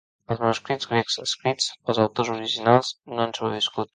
Els manuscrits grecs escrits pels autors originals no han sobreviscut.